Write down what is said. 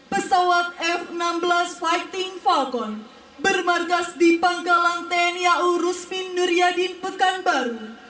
pesawat f enam belas fighting falcon bermarkas di pangkalan tni au rusmin nuryadin pekanbaru